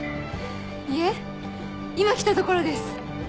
いえ今来たところです。